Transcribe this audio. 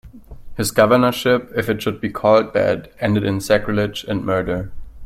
His governorship, if it should be called that, ended in sacrilege and murder.